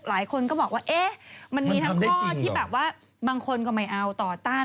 หลายคนก็บอกว่าเอ๊ะมันมีทั้งข้อที่แบบว่าบางคนก็ไม่เอาต่อต้าน